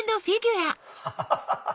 アハハハハ！